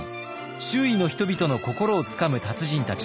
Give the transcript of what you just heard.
周囲の人々の心をつかむ達人たち。